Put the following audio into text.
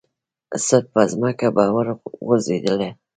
سړپ پرځمکه به ور وغورځېدله.